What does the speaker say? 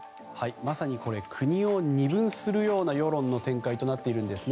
まさに国を二分するような世論の展開となっているんです。